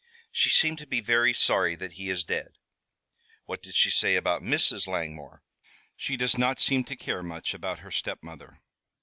"She seems to be very sorry that he is dead." "What did she say about Mrs. Langmore?" "She does not seem to care much about her stepmother."